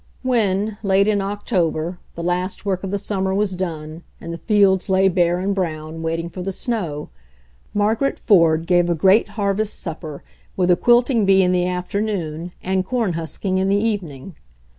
When, late in October, the last work of the summer was done and the fields lay bare and brown, waiting for the snow, Margaret Ford gave a great harvest supper with a quilting bee in the afternoon and corn husking in the evening.